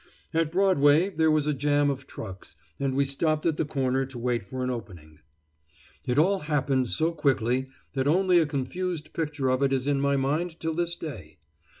At Broadway there was a jam of trucks, and we stopped at the corner to wait for an opening. It all happened so quickly that only a confused picture of it is in my mind till this day.